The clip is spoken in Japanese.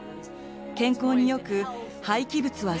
健康によく廃棄物は最小限。